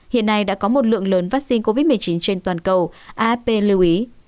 hiện nay đã có một lượng lớn vắc xin covid một mươi chín trên toàn cầu aap lưu ý